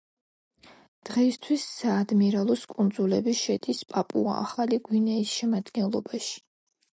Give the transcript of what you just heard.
დღეისათვის საადმირალოს კუნძულები შედის პაპუა-ახალი გვინეის შემადგენლობაში.